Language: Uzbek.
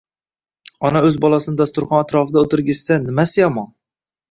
ona o‘z bolasini dasturxon atrofida o'tirgizsa nimasi yomon?